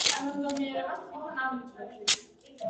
დაგვანახებს კანონზომიერებას თვითონ ამ რიცხვებში.